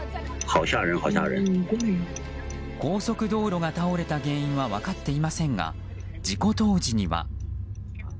高速道路が倒れた原因は分かっていませんが事故当時には。